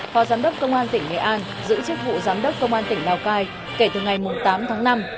phó giám đốc công an tỉnh nghệ an giữ chức vụ giám đốc công an tỉnh lào cai kể từ ngày tám tháng năm